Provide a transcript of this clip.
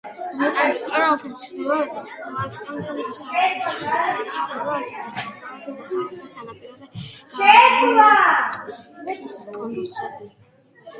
ვულკანის მწვერვალიდან ჩრდილოეთით, პლატოდან დასავლეთით და ჩრდილოეთით და ჩრდილო-დასავლეთ სანაპიროზე განლაგებულია ტუფის კონუსები.